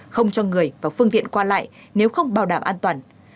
không cho người và phương tiện qua lại nếu không bảo đảm an toàn